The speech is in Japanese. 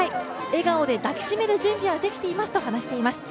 笑顔で抱き締める準備はできていますと話しています。